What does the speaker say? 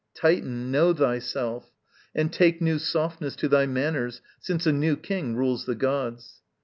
Titan, know thyself, And take new softness to thy manners since A new king rules the gods.